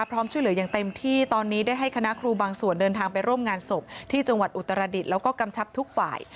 พร้อมช่วยเหลืออย่างเต็มที่ตอนนี้ได้ให้คณะครูบางส่วนเดินทางไปร่วมงานศพที่จังหวัดอุตรดิษฐ์แล้วก็กำชับทุกฝ่าย